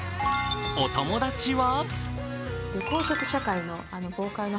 お友達は？